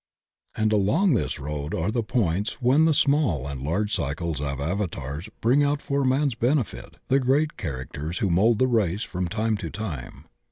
And along this road are the points when the small and large cycles of Avatars bring out for man's benefit the great characters who mould the race from time to time.